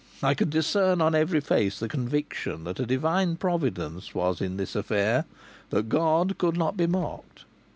I could discern on every face the conviction that a divine providence was in this affair, that God could not be mocked.